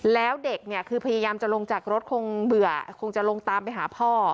แล้วเด็กเนี่ยคือพยายามจะลงจากรถคงเบื่อคงจะลงตามไปหาพ่อ